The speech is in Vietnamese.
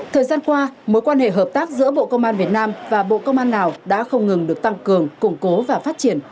thời gian qua mối quan hệ hợp tác giữa bộ công an việt nam và bộ công an lào đã không ngừng được tăng cường củng cố và phát triển